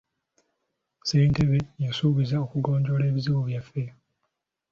Ssentebe yasuubizza okugonjoola ebizibu byaffe .